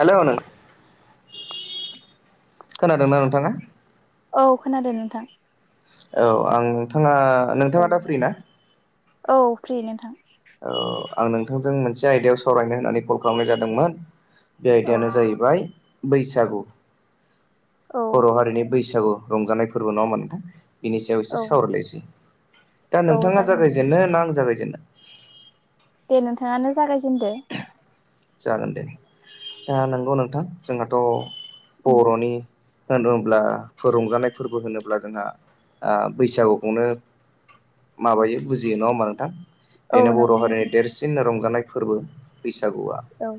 हेल'नो खोनादोंना नोंथाङा? औ खोनादों नोंथां औ आं नोंथाङा नोंथाङा दा फ्रि ना? औ फ्रि नोंथां आं नोंथांजों मोनसे आयदायाव सावरायनो होननानै कल खालामनाय जादोंमोन। बे औ आयदायानो जाहैबाय बैसागु औ बर' हारिनि बैसागु रंजानाय फोरबो नङामोन नोंथां बिनि सायाव एसे औ सावरायलायनोसै। दा औ नोंथाङा जागोन दे नोंथां। जागायजेनो ना आं जागायजेनो दे नोंथाङानो जागायजेनदो। जागोन दे नंगौ नोंथां जोंहाथ' बर'नि होनोमब्ला रंजानाय फोरबो होनोब्ला जोंहा बैसागुखौनो माबायो बुजियो नङा होमबा नोंथां। औ बेनो बर' नंगौ हारिनि नोंथां देरसिन रंजानाय फोरबो बैसागुआ औ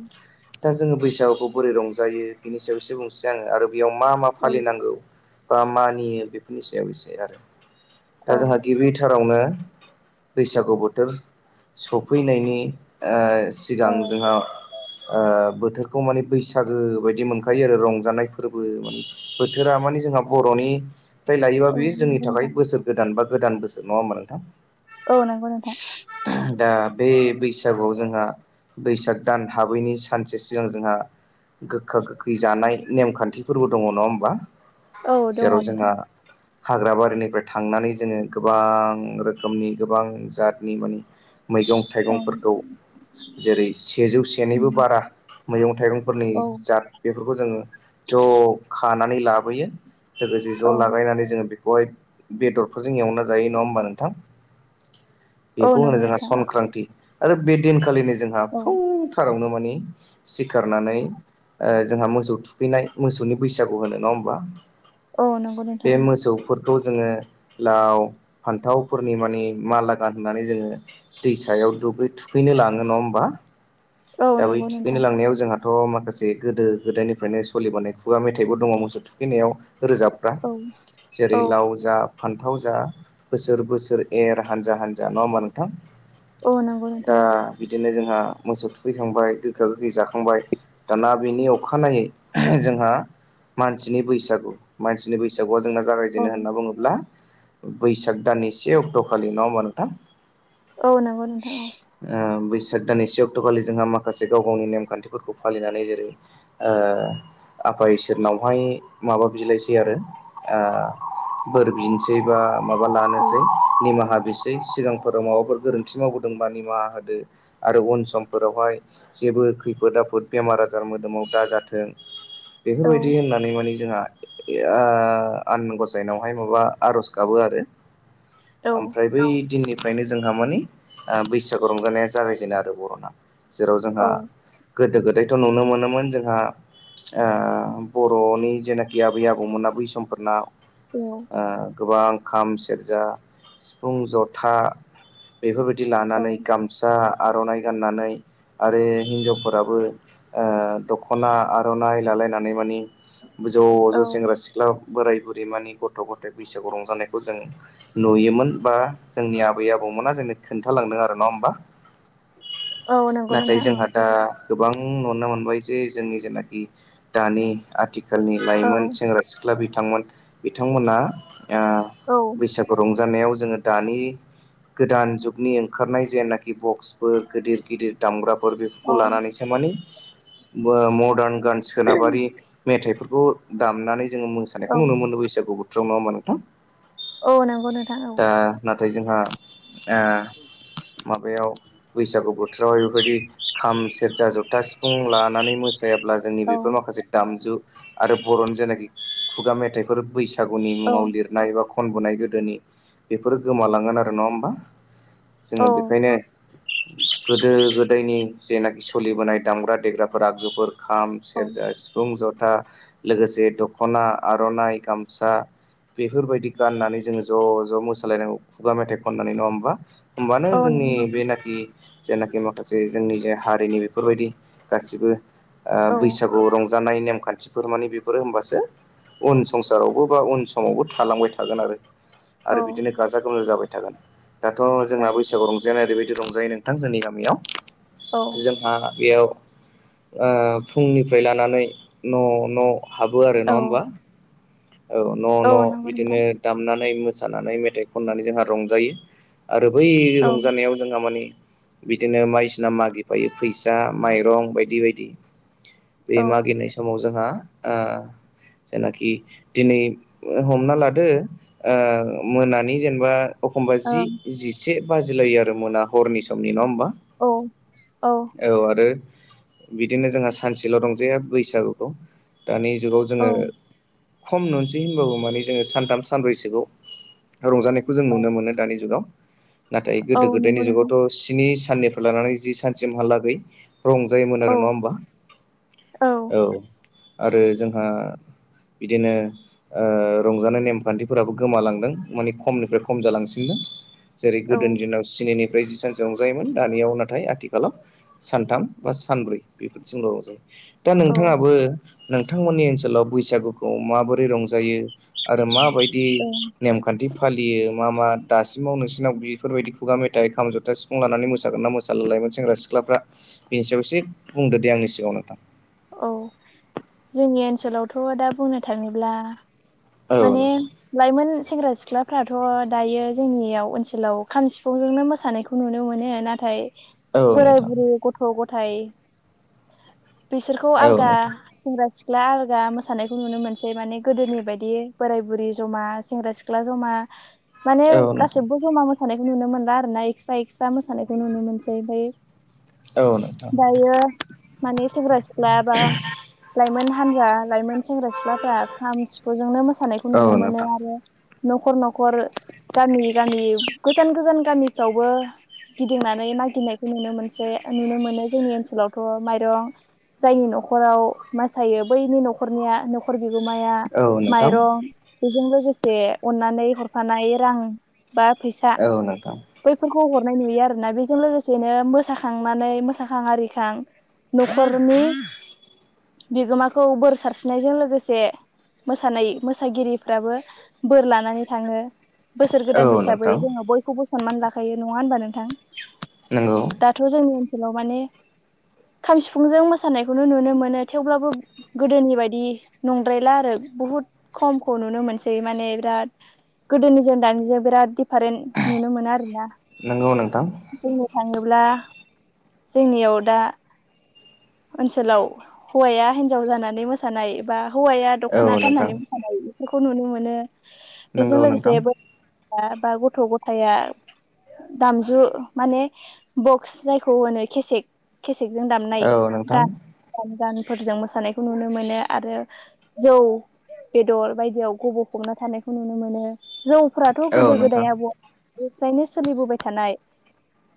दा जोङो बैसागुखौ बोरै रंजायो बिनिसायावसो बुंसै आङो आरो बेयाव मा मा औ फालिनांगौ बा मानियो बेफोरनि सायाव एसे आरो दा औ जोंहा गिबिथारावनो, बैसागु बोथोर सफैनायनि ओ औ सिगां जोंहा, ओ बोथोरखौ माने बैसागो बायदि मोनखायो आरो रंजानाय फोरबो माने बोथोरा माने जोंहा बर'नि जाय लायोबा औ बेयो जोंनि नंगौ नोंथां थाखाय बोसोर गोदान बा गोदान बोसोर नङा ओनबा नोंथां, औ नंगौ नोंथां दा बे बैसागुआव जोंहा बैसाग दान हाबैनि सानसे सिगां जोंहा गोखा गोखै जानाय नेमखान्थि फोरबो दङ नङा होमबा औ दङ जेराव नोंथां जोंहा, हाग्राबारिनिफ्राय थांनानै जोङो गोबां रोखोमनि गोबां जादनि माने मैगं औ थाइगंफोरखौ जेरै सेजौ सेनिबो बारा मैगं थाइगंफोरनि औ दाब बेफोरखौ जोङो ज' खानानै लाबोयो लोगोसे औ ज' लागायनानै जोङो बेहाय बेदरफोरजों एवना जायो नङा होमबा नोंथां। औ बेखौ होनो नंगौ जोंहा नोंथां संक्रान्ति आरो बे दिनखालिनि जोंहा औ सारावनो माने सिखारनानै जोंहा मोसौ थुखैनाय मोसौनि बैसागु होनो नङा होमबा, औ नंगौ बे नोंथां मोसौ फोरफोरखौ जोङो लाव फान्थावफोरनि माने माला गान होननानै जोङो। दैसायाव दुगै थुखैनो लाङो नङा होमबा औ दा बै नंगौ थुखैनो नोंथां लांनायाव जोंहा, दाथ' माखासे गोदो गोदायनिफ्रायनो सोलिबोनाय खुगा मेथाइबो दङ मोसौ थुखैनायाव रोजाब औ जेरै औ लाव जा फान्थाव जा बोसोर बोसोर एर हानजा हानजा नङा हा नोंथां औ नंगौ दा नोंथां बिदिनो जोंहा मोसौ थुखैखांबाय गोखा गोखै जाखांबाय दाना बेनि अखानायै जोंहा, मानसिनि बैसागु मानसिनि बैसागुआ जोंना औ जागायजेनो होनना बुङोब्ला, बैसाग दाननि से अक्ट'खालि नङा होमबा नोंथां। औ नोंगौ नोंथां औ ओ बैसाग दान से अक्ट'खालि जोंहा माखासे गाव गावनि नेमखान्थिफोरखौ फालिनानै जेरै ओ आफा इसोरनावहाय माबा बिलाइसै आरो आ बोर बिनोसै बा माबा औ लानोसै निमाहा बिसै सिगांफोराव माबाफोर गोरोन्थि मावबोदोंबा निमाहा होदो आरो उन सम फोरावहाय जेबो खैफोद आफोद बेमार आजार मोदोमाव दाजाथों औ बेफोरबायदि होननानै माने जोंहा, इहा आनान गसायनावहाय माबा आर'ज गाबो आरो औ ओमफ्राय बै दिननि ओफ्रायनो जोंहा मानि बैसागु रंजानाया जागायजेनो आरो बर'ना। जेराव जोंहा गोदो गोदायथ' नुनो मोनोमोन जोंहा आ बर'नि जेनाखि आबै आबौमोना बै समफोरना औ आ गोबां खाम सेरजा सिफुं जथा बेफोरबायदि औ लानानै गामसा आर'नाइ गाननानै आरो हिनजावफोराबो ओ दख'ना आर'नाइ लालायनानै मानि ज' औ ज' सेंग्रा सिख्ला बोराय बुरै मानि गथ' गथथाय बैसागु रंजानायखौ जों नुयोमोन बा जोंनि आबै आबौमोना जोंनो खोन्थालांदों आरो नङा होमबा? औ नंगौ नाथाय नोंथां जोंहा औ दा गोबां नुनो मोनबाय जे जोंनि जेनाखि दानि आथिखालनि लाइमोन सेंग्रा सि ख्ला बिथांमोन बिथांमोना आ औ बैसागु रंजानायाव जोङो दानि गोदान जुगनि ओंखारनाय जेनाखि बक्सफोर गिदिर गिदिर दामग्राफोर औ औ बेफोरखौ लानानैसो माने मदार्न गान्स सोनाबारि मेथाइफोरखौ दामनानै जोङो औ मोसानायखौ नुनो मोनो बैसागु बोथोराव नङा होमबा नोंथां? औ नोंगौ नोंथां औ आ नाथाय जोंहा आ माबायाव बैसागु बोथोर जयै बेफोरबायदि खाम सेरजा जोबथा सिफुं लानानै मो सायोब्ला जोंनि औ बेफोर माखासे दामजु आरो बर'नि जेनाखि खुगा मेथाइफोर बैसागुनि औ मुङाव लिरनाय बा खनबोनाय गोदोनि बेफोरो गोमालांगोन आरो नङा होमबा जोङो औ बेखायनो गोदो गोदायनि जेनाखि सोलिबोनाय दामग्रा देग्राफोर आगजुफोर खाम औ सेरजा सि फुं जथा लोगोसे दख'ना आर'नाइ गामसा बेफोरबायदि गाननानै जोङो ज' ज' मोसालायनांगौ खुगा मेथाइ खननानै नङा होमबा? होमबानो औ नंगौ जोंनि नोंथां बेनाखि जेनाखि माखासे जोंनि जे हारिनि बेफोरबायदि गासिबो आ औ बैसागु रं जानाय नेमखान्थिफोर माने बेफोरो होमबासो उन संसारावबो बा उन समावबो थालांबाय थागोन आरो औ आरो बिदिनो गाजा गोमजा जाबाय थागोन दाथ' जोंना बैसागआव रंजाया ओरैबायदि रंजायो नों थां जोंनि गामियाव जोंहा बेयाव ओ फुंनिफ्राय लानानै न' न' हाबो आरो औ नङा औ होमबा? औ न' न' औ नंगौ बिदिनो नोंथां दामनानै मोसानानै मेथाइ खननानै जोंहा रंजायो आरो बै औ रंजानायाव जोंहा माने बिदिनो बायदिसिना मागिफायो फैसा माइरं बायदि बायदि। बे औ ओं मागिनाय समाव जोंहा ओ जेनाखि दिनै हमना लादो ओ मोनानि जेनेबा एखमबा जि जिसे बाजिलायो आरो मोना हरनि समनि नङा होमबा? औ औ औ आरो बिदिनो जोंहा सानसेल' रंजाया बैसागुखौ दानि जुगाव औ जोङो खम नुनसै होनबाबो माने जोङो सानथाम सानब्रैसोखौआव रंजानायखौ जों नुनो मोनो दानि जुगाव नाथाय औ गोदो गोदायनि नंगौ नोंथां जुगावथ' स्नि साननिफ्राय लानानै जि सानसिमहालागै रंजायोमोन औ आरो नङा होमबा? औ। आरो जोंहा बिदिनो ओ रंजानाय नेमखान्थिफोराबो गोमालांदों माने खमनिफ्राय खम जालांसिनदों। जेरै औ गोदो दिनाव स्निनिफ्राय जि सानसो रंजायोमोन दानियाव नाथाय आथिखालाव सानथाम बा सानब्रै बेफोरजोंल' रंजायो। दा औ नोंथाङाबो नोंथांमोननि ओनसोलाव बैसागुखौ माबोरै रंजायो आरो माबायदि ओं नेम खान्थि फालियो मा मा दासिमाव नोंसिनाव बेफोरबायदि खुगा मेथाइ खाम, जथा, सि फुं लानानै मोसागोन ना मोसाला लाइमोन सेंग्रा सिख्लाफ्रा बेनि सायाव एसे बुंदो दे आंनि सिगाङाव नोंथां। औ, जोंनि ओनसोलावथ' दा बुंनो थाङोब्ला औ माने नोंथां लाइमोन सेंग्रा सिख्लाफ्राथ' दायो जोंनियाव ओनसोलाव खाम सिफुंजोंनो मोसानायखौ खौ नुनो मोनो। नाथाय बोराय बुरै गथ' गथाय बिसोरखौ औ आलादा नोंथां सेंग्रा सिख्ला आलगा मोसानायखौ नुनो मोनसै। माने गोदोनि बायदि दि बोराय बुरै जमा सेंग्रा सिख्ला जमा माने औ नोंथां गासिबो ज'मा मोसा सानायखौ नुनो मोनला आरो ना एक्सट्रा एक्सट्रा मोसानायखौ नुनो मोनसै। ओमफ्राय औ नोंथां औ नोंथां दायो माने सेंग्रा सिख्ला बा लाइमोन हान्जा लाइमोन सेंग्रा सिख्लाफ्रा खाम, सिफ फुंजोंनो मोसानायखौ औ नुनो मोनो नोंथां आरो न'खर न'खर गामि गामि गोजान गोजान गामिफ्रावबो गिदिंनानै मागिनायखौ नुनो मोनसै नुनो मोनो। जोंनि ओनसोलावथ' माइरं जायनि न'खराव मासायो बैनि न'खरनिया न'खर बिगोमाया औ नोंथां माइरं बेजों लोगोसे अननानै हरफानाय रां बा फैसा औ नोंथां बैफोरखौ हरनाय नुयो आरोना बेजों लोगोसेनो मोसाखांनानै मोसाखां आरिखां न'खरनि बिगोमाखौ बोर सारस्रिनायजों लोगोसे मोसानाय मोसागिरिफ्राबो बोर लानानै थाङो। बोसोर औ गोदान हिसाबै नोंथां जोङो बयखौबो सनमान लाखायो। नङा होनबा नोंथां? नोंगौ। दाथ' जोंनि ओनसोलाव माने खाम सिफुंजों मोसानायखौनो नुनो मोनो थेवब्लाबो गोदोनि बायदि नंद्रायला आरो बुहुद खमखौ नुनो मोनसै। माने बिराद गोदोनिजों दानिजों बिराद दिडिफारेन्ट नुनो मोना आरो ना। नंगौ नोंथां। बुंनो थाङोब्ला जोंनियाव दा ओनसोलाव हौवाया हिनजाव जानानै मोसानाय बा हौवाया औ दख'ना नोंथां गाननानै [unintelligible] बेफोरखौ नुनो मोनो। नंगौ बेजों नोंथां लोगोसे [inaudible] बा गथ' गथाया दामजु माने बक्स जायखौ होनो केसेक केसेकजों दामनाय औ नोंथां गान [inaudible] गानफोरजों मोसानायखौ नुनो मोनो आरो जौ बेदर बायदियाव गब'फबना थानायखौ नुनो मोनो। जौ फोराथ' औ गोदो नोंथां गोदाय आबौआ आबैनिफ्रायनो सोलिबोबाय थानाय।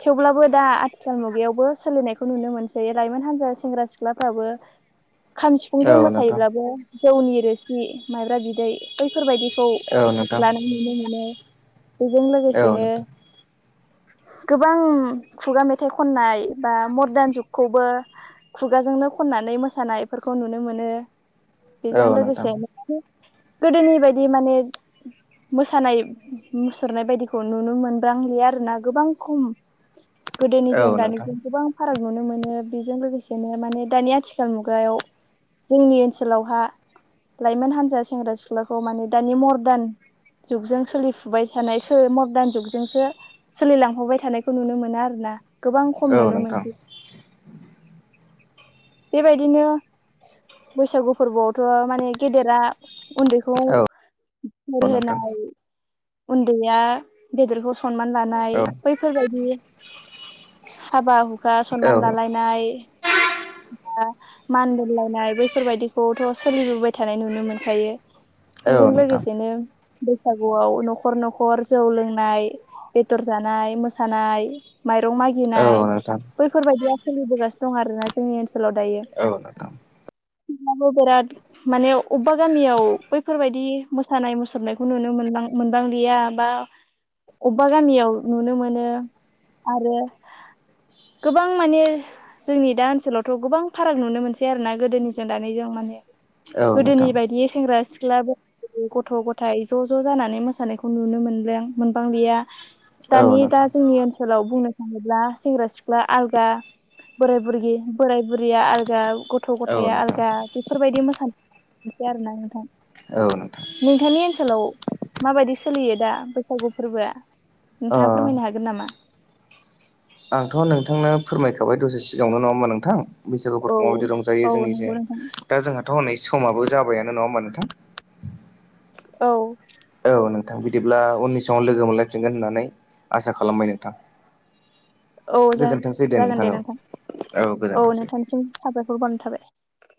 थेवब्लाबो दा आथिखाल मुगायावबो सोलिनायखौ नुनो मोनसै। लाइमोन हान्जा सेंग्रा सिख्लाफ्राबो खाम औ सिफुंजों नोंथां मोसायोब्लाबो जौनि रोसि माइब्रा बिदै बैफोरबायदिखौ औ नोंथां लाना नुनो मोनो। बेजों औ लोगोसेनो नोंथां गोबां खुगा मेथाइ खननाय बा मरदान जुगखौबो खुगाजोंनो खननानै मोसानायफोरखौ नुनो मोनो। औ बेजों नोंथां लोगोसेयैनो गोदोनि बायदि माने मोसानाय मुसुरनाय बायदिखौ नुनो मोनबांलिया आरो ना गोबां खम औ गोदोनिजों नोंथां दानिजों गोबां फाराग नुनो मोनो। बेजों लोगोसेनो माने दानि आथिखाल मुगायाव जोंनि ओनसोलावहा लाइमोन हान्जा सेंग्रा सिख्लाखौ माने दानि मर्दान जुगजों सोलिफुबाय थानाय सो मर्दान जुगजोंसो सोलिलांफाबाय थानायखौ नुनो मोना आरो ना गोबां खम औ नुनो नोंथां मोनसै। बेबायदिनो बैसागु फोरबोआवथ' माने गेदेरा उन्दैखौ औ औ बोर नोंथां होनाय उन्दैया गेदेरखौ स खनमान लानाय औ बैफोरबायदि हाबा हुखा औ सनमान लानाय नाय ओ मान बोहोलायनाय बैफोरबादिखौथ' सोलिबोबाय थानाय नुनो मोनखायो औ बिजों नोंथां लोगोसेनो बैसागुआव न'खर न'खर जौ लोंनाय बेदर जानाय मोसानाय माइरं औ नोंथां औ नोंथां औ नोंथां औ नोंथां औ मागिनाय नोंथां औ नोंथां बैफोरबायदिया सोलिबोगासिनो दं आरो ना जोंनि ओनोल लाय दायो [unintelligible] बिराद माने अबेबा गामियाव बैफोरबायदि मोसानाय मुसुरनायखौ नुनो मोनलां मोनबांलिया बा अबेबा गामियाव नुनो मोनो आरो गोबां माने जोंनि दा ओनसोलावथ' गोबां फाराग नुनो मोनसै आरो ना गोदोनिजों दानि जों माने गोदोनि बायदि सेंग्रा सिख्लाबो गथ' गथायाइ ज' ज' जानानै मोसानायखौ नुनो मोनलां मोनबांलिया दानि दा जोंनि ओनसोलाव बुंनो थाङोब्ला सेंग्रा सिख्ला आलगा बोराय बुरगि बोराय बुरिया आलगा गथ' गथाया आलगा बिफोरबायदि मोसानोसै आरोना नोंथां औ नोंथां नोंथांनि ओनसोलाव माबायदि सोलियो दा बैसागु फोरबोआ ओ नोंथाङा फोरमायनो हागोन नामा? आंथ' नोंथांनो फोरमायखाबाय दसे सिगाङावनो नङा होमा नोंथां औ बैसागुफोरखौ माबायदि रंजायो औ जोंनिजों नंगौ नोंथां दा जोंहाथ' हनै समाबो जाबायानो नङा होमबा नोंथां? औ औ नोंथां बिदिब्ला उननि समाव लोगो मोनलायफिनगोन होननानै आसा खालामबाय नोंथां औ जा जागोन दे नोंथां औ नोंथांनिसिम साबायखर बावनाय थाबाय